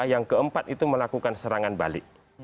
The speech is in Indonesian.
yang keempat itu melakukan serangan balik